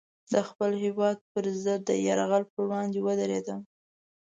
د خپل هېواد پر ضد د یرغل پر وړاندې ودرېدم.